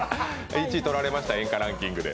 １位とられました。